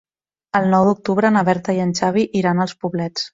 El nou d'octubre na Berta i en Xavi iran als Poblets.